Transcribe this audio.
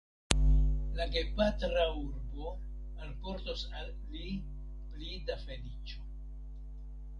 La gepatra urbo alportos al li pli da feliĉo.